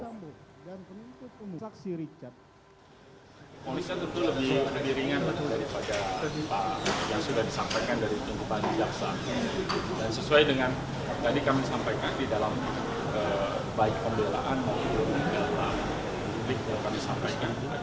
pihaknya berharap majelis hakim menetapkan putusan yang lebih ringan tidak hanya untuk korban dan masyarakat tetapi juga untuk tadakwa